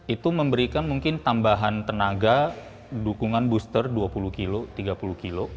itu memberikan mungkin tambahan tenaga dukungan booster dua puluh kilo tiga puluh kilo